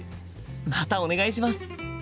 またお願いします。